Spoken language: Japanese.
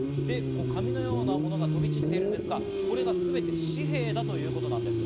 紙のようなものが飛び散っていますが、これがすべて紙幣だということです。